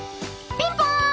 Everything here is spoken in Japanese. ピンポン！